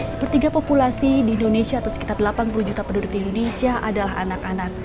sepertiga populasi di indonesia atau sekitar delapan puluh juta penduduk di indonesia adalah anak anak